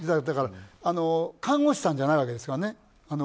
だから看護師さんじゃないわけですよね